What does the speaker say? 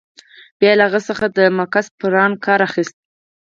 بیا يې له هغه څخه د مګس پران کار اخیست.